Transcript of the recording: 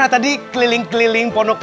punjabi cupang kecil mau betapa